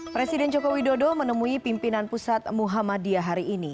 presiden jokowi dodo menemui pimpinan pusat muhammadiyah hari ini